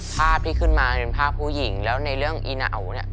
ภาพที่ขึ้นมาเป็นภาพผู้หญิงแล้วในเรื่องอีเหนาเนี่ย